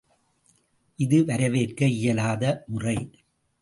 இது வரவேற்க இயலாத முறை.